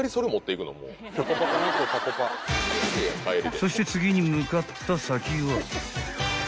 ［そして次に向かった先は］